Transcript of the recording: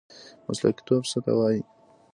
مسلکي توب څه ته وایي؟